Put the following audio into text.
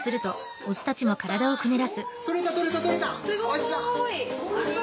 すごい！